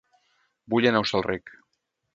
Vull anar a Hostalric